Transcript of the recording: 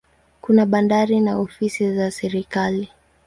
Kuna bandari na ofisi za serikali.